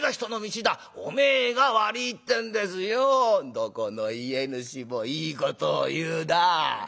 「どこの家主もいいことを言うなぁ。